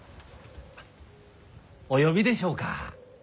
お呼びでしょうか？